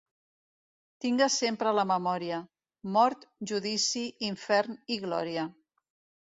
Tingues sempre a la memòria: mort, judici, infern i glòria.